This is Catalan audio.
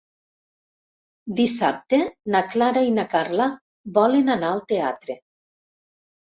Dissabte na Clara i na Carla volen anar al teatre.